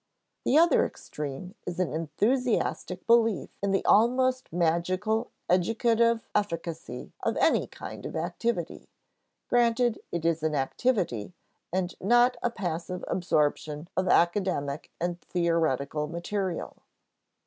The other extreme is an enthusiastic belief in the almost magical educative efficacy of any kind of activity, granted it is an activity and not a passive absorption of academic and theoretic material.